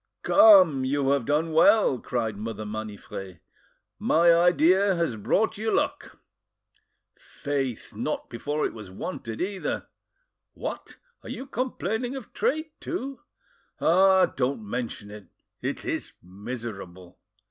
"Come, you have done well," cried Mother Maniffret; "my idea has brought you luck." "Faith! not before it was wanted, either!" "What! are you complaining of trade too?" "Ah! don't mention it; it is miserable!"